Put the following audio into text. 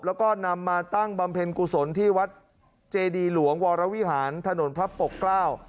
แล้วก็นำมาตั้งบำเพ็ญกุศลที่วัดเจดีหลวงวรวิหารถนนพระปกเกล้า